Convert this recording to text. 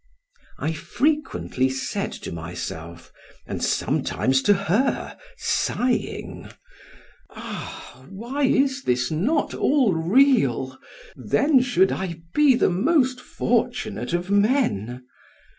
I frequently said to myself, and sometimes to her, sighing, "Ah! why is not all this real? then should I be the most fortunate of men."